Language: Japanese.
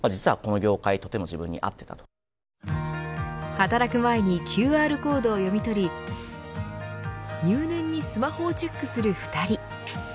働く前にＱＲコードを読み取り入念にスマホをチェックする２人。